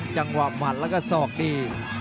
จังหวับหวัดแล้วก็ซอกที่